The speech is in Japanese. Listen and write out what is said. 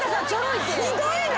ひどいな。